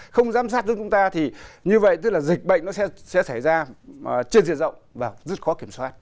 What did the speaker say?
không giám sát giúp chúng ta thì như vậy tức là dịch bệnh nó sẽ xảy ra trên diện rộng và rất khó kiểm soát